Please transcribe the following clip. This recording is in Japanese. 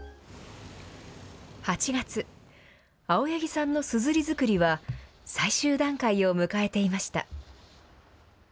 ８月青柳さんのすずり作りは最終段階を迎えていました。